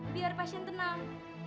biar pasien tenang